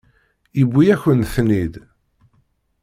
Yewwi-yakent-ten-id.